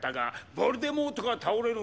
ヴォルデモートが倒れる前に